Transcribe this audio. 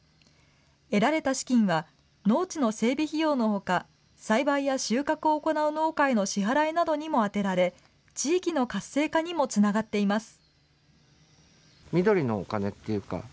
得られた資金は農地の整備費用のほか、栽培や収穫を行う農家への支払いなどにも充てられ、地域の活性化にもつながっています。